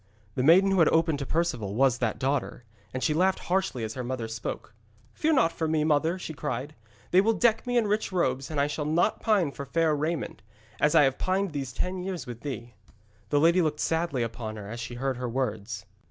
The maiden who had opened to Perceval was that daughter, and she laughed harshly as her mother spoke. 'Fear not for me, mother,' she cried. 'They will deck me in rich robes, and I shall not pine for fair raiment, as I have pined these ten years with thee.' The lady looked sadly upon her as she heard her words.